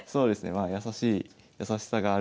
まあ優しい優しさがあるので。